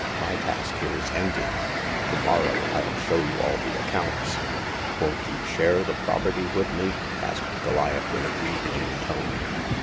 My task here is ended. To morrow FU show you all the ac counts "Won't you share the property with me ?*' asked Goliath, in a wheedling tone.